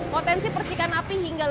potensi percikan api hingga